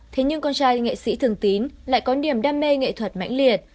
thế nhưng con trai nghệ sĩ thương tín lại có điểm đam mê nghệ thuật mãnh liệt